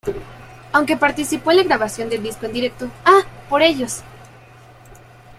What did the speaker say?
Aunque participó en la grabación del disco en directo "¡A por ellos...!